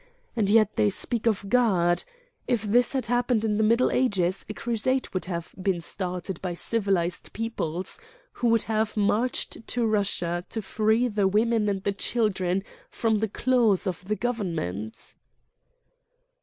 And yet they speak of God. If this had happened in the Middle Ages a crusade would have been start ed by civilized peoples who would have marched to Russia to free the women and the children from the claws of the Government."